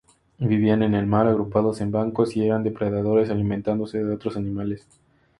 Vivían en el mar, agrupados en bancos y eran depredadores, alimentándose de otros animales.